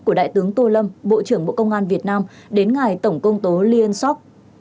của đại tướng tô lâm bộ trưởng bộ công an việt nam đến ngài tổng công tố ly ân sóc